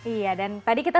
iya dan tadi kita